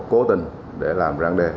cố tình để làm ráng đề